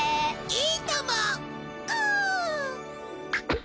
いいとも。